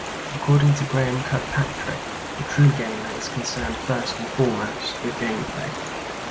According to Graeme Kirkpatrick, the "true gamer" is concerned first and foremost with gameplay.